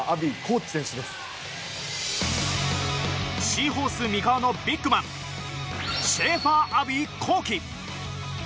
シーホース三河のビッグマン、シェーファー・アヴィ幸樹。